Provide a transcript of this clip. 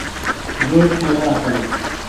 زۆر پێناکەنم.